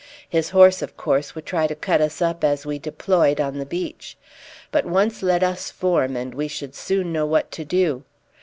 His horse, of course, would try to cut us up as we deployed on the beach. But once let us form, and we should soon know what to do.